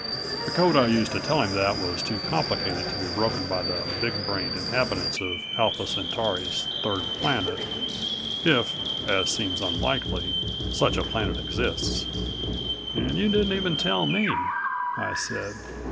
The code I used to tell him that was too complicated to be broken by the big brained inhabitants of Alpha Centauri's third planet, if as seems unlikely such a planet exists." "And you didn't even tell me," I said.